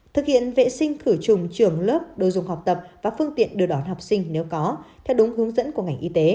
thực hiện vệ sinh khử trùng trường lớp đồ dùng học tập và phương tiện đưa đón học sinh nếu có theo đúng hướng dẫn của ngành y tế